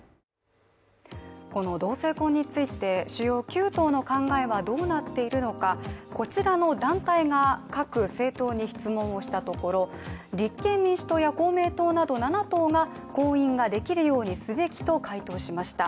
この同性婚について、主要９党の考えはどうなっているのか、こちらの団体が各政党に質問をしたところ、立憲民主党や公明党など７党が婚姻ができるようにすべきと回答しました。